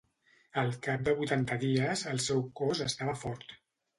Al cap de vuitanta dies, el seu cos estava fort.